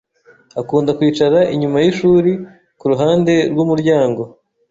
akunda kwicara inyuma yishuri kuruhande rwumuryango.